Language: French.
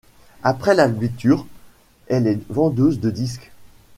Après l'abitur, elle est vendeuse de disques.